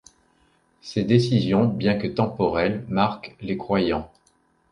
Ses décisions bien que temporelles marquent les croyants.